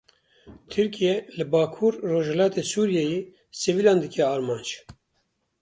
Tirkiye li Bakur Rojhilatê Sûriyeyê sivîlan dike armanc.